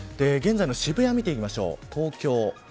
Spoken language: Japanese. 現在の渋谷を見てみましょう。